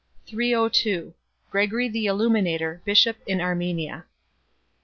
302 Gregory the Illuminator Bishop in Armenia.